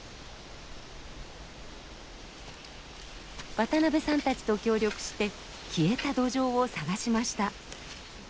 渡部さんたちと協力して消えたドジョウを探しました。